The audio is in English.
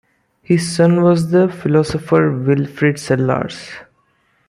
His son was the philosopher Wilfrid Sellars.